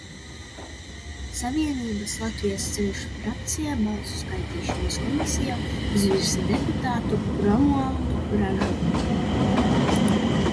"Savienības "Latvijas ceļš" frakcija Balsu skaitīšanas komisijā izvirza deputātu Romualdu Ražuku."